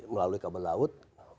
melalui kabel laut